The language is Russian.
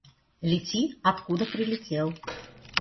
Лети откуда прилетел!